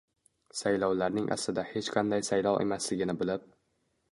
“saylovlarning” aslida hech qanday saylov emasligini bilib